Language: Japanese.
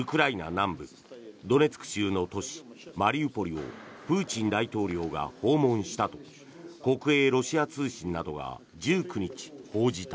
南部ドネツク州の都市マリウポリをプーチン大統領が訪問したと国営ロシア通信などが１９日報じた。